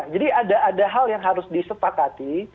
jadi ada hal yang harus disepakati